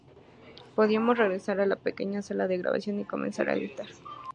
Podíamos regresar a la pequeña sala de grabación y comenzar a gritar.